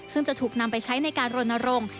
ซึ่งจะถูกนำไปใช้ในการรณรงค์